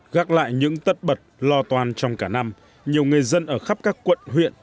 gác lại những tất bật lo toan trong cả năm nhiều người dân ở khắp các quận huyện